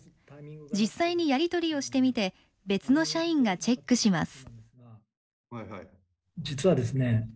実際にやり取りをしてみて別の社員がチェックします。